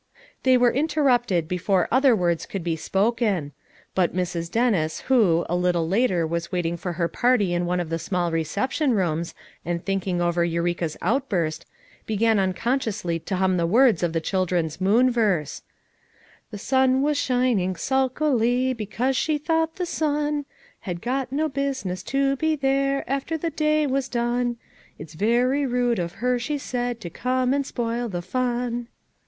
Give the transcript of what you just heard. They were interrupted before other words could be spoken; but Mrs. Dennis who, a little later was waiting for her party in one of the small reception rooms, and thinking over Eu reka's outburst, began unconsciously to hum the words of the children's moon verse: " 'The moon was shining sulkily Because she thought the sun Had got no business to be there After the day was done. "It's very rude of her," she said, "To come and spoil the fun!"